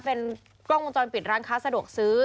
เป็นกล้องวงจรปิดร้านค้าสะดวกซื้อ